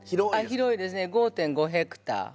広いですね５．５ヘクタール。